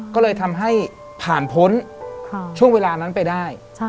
ก็เลยทำให้ผ่านพ้นช่วงเวลานั้นไปได้